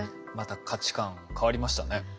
また価値観変わりましたね。